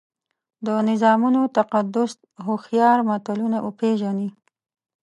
د نظامونو تقدس هوښیار ملتونه پېژني.